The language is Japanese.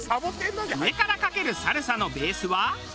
上からかけるサルサのベースは。